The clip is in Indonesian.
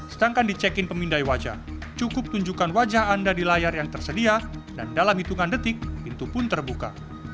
sedangkan di check in pemindai wajah cukup tunjukkan wajah anda di layar yang tersedia dan dalam hitungan detik pintu pun terbuka